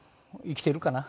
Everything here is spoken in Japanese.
生きてるかな？